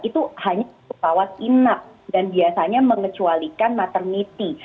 itu hanya usahawan inap dan biasanya mengecualikan maternity